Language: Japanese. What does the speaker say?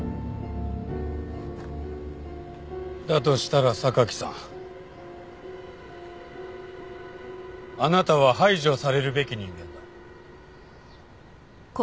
だとしたら榊さんあなたは排除されるべき人間だ。